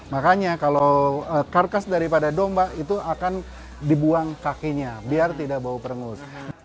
makanya kalau karkas daripada domba itu akan dibuang kakinya biar tidak bau perengus